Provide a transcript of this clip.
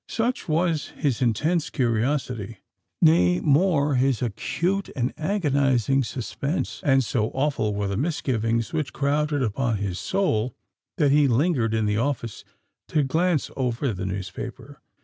Such was his intense curiosity—nay more, his acute and agonising suspense,—and so awful were the misgivings which crowded upon his soul,—that he lingered in the office to glance over the newspaper.